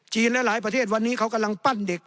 หลายประเทศวันนี้เขากำลังปั้นเด็ก